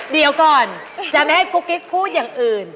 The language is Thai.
เดี๋ยวก่อนจะไม่ให้กุ๊กกิ๊กพูดอย่างอื่น